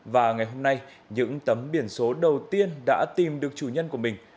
và ngày hôm nay những tấm biển số đầu tiên đã tìm được chủ nhân của mình